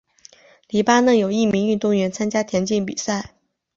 黎巴嫩有一名运动员参加田径比赛。